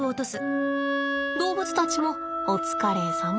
動物たちもお疲れさま。